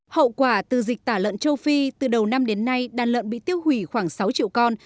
hậu quả từ dịch tả lợn châu phi từ đầu năm đến nay đàn lợn bị tiêu hủy khoảng sáu triệu con